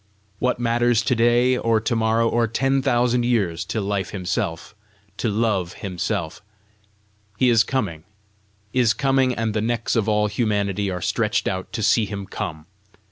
What matters to day, or to morrow, or ten thousand years to Life himself, to Love himself! He is coming, is coming, and the necks of all humanity are stretched out to see him come!